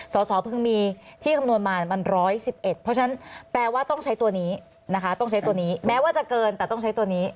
สอสอเพิ่งมีที่คำนวณมามัน๑๑๑เพราะฉะนั้นแปลว่าต้องใช้ตัวนี้นะคะต้องใช้ตัวนี้แม้ว่าจะเกินแต่ต้องใช้ตัวนี้